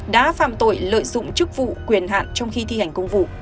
đã phạm tội lợi dụng chức vụ quyền hạn trong khi thi hành công vụ